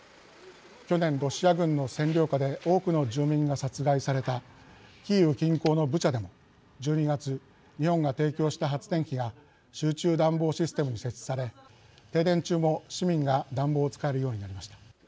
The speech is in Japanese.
去年ロシア軍の占領下で多くの住民が殺害されたキーウ近郊のブチャでも、１２月日本が提供した発電機が集中暖房システムに設置され停電中も市民が暖房を使えるようになりました。